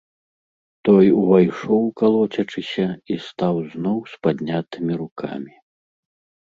Той увайшоў, калоцячыся, і стаў зноў з паднятымі рукамі.